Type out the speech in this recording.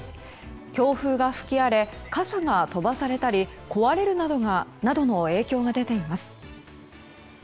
強風が吹き荒れ傘が飛ばされたり壊れるなどの影響が出ています。